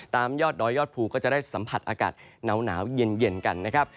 ยอดดอยยอดภูก็จะได้สัมผัสอากาศหนาวเย็นกันนะครับ